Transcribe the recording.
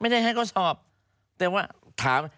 ให้เขาสอบแต่ว่าถาม